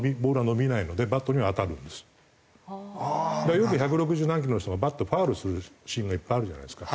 よく百六十何キロの人がバットファウルするシーンがいっぱいあるじゃないですか。